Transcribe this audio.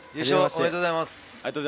おめでとうございます。